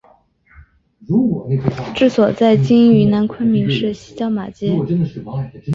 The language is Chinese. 治所在今云南昆明市西郊马街。